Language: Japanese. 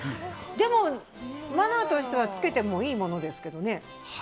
でも、マナーとしては着けてもいいものですけどね。